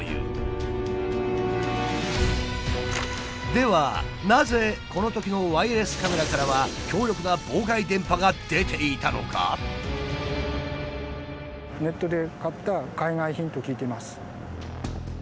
ではなぜこのときのワイヤレスカメラからは強力な妨害電波が出ていたのか？と聞いています。